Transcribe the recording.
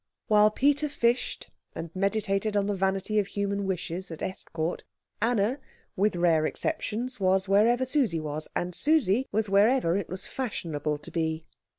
While Peter fished, and meditated on the vanity of human wishes at Estcourt, Anna, with rare exceptions, was wherever Susie was, and Susie was wherever it was fashionable to be.